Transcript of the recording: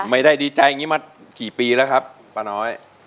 ไม่ได้ดีใจอย่างนี้มากี่ปีแล้วครับป้าน้อย